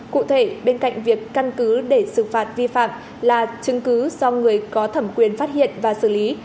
cụ thể bên cạnh việc căn cứ để xử phạt vi phạm là chứng cứ do người có thẩm quyền phát hiện và xử lý